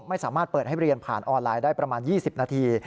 ไม่สามารถเปิดให้เรียนผ่านออนไลน์ได้ประมาณ๒๐นาที